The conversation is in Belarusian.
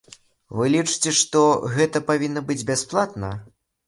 Вы лічыце, што гэта павінна быць бясплатна?